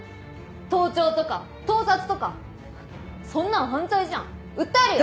盗聴とか盗撮とかそんなの犯罪じゃん訴えるよ？